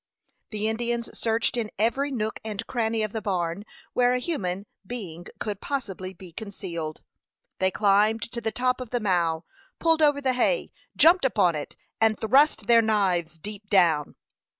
The Indians searched in every nook and cranny of the barn where a human being could possibly be concealed. They climbed to the top of the mow, pulled over the hay, jumped upon it, and thrust their knives deep down.